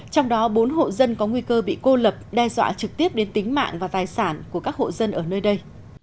trong đó bốn hộ dân có nguy cơ bị cô lập đe dọa trực tiếp đến tính mạng và tài sản của các hộ dân ở nơi đây